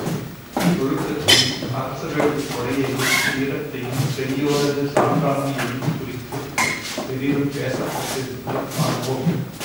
ஒழுக்கத்தையும், அரசர்களது கொடையையும், வீரத்தையும், பெரியோரது சான்றாண்மையையும் குறித்துப் பெரிதும் பேசப்பட்டிருத்தல் காண்போம்.